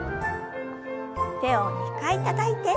手を２回たたいて。